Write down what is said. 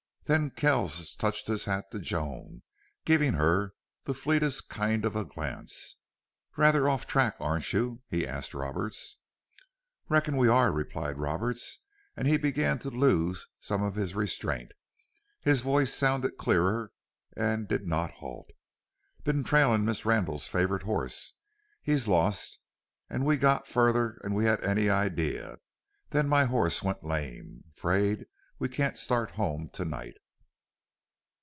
Then Kells touched his hat to Joan, giving her the fleetest kind of a glance. "Rather off the track aren't you?" he asked Roberts. "Reckon we are," replied Roberts, and he began to lose some of his restraint. His voice sounded clearer and did not halt. "Been trailin' Miss Randle's favorite hoss. He's lost. An' we got farther 'n we had any idee. Then my hoss went lame. 'Fraid we can't start home to night."